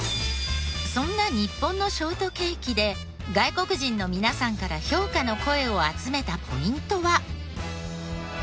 そんな日本のショートケーキで外国人の皆さんから評価の声を集めたポイントは。